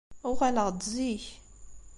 Uɣaleɣ-d zik.